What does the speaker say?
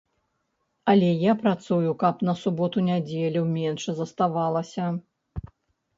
Але я працую, каб на суботу-нядзелю менш заставалася.